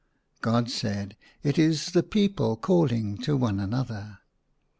God said, " It is the people calling to one another."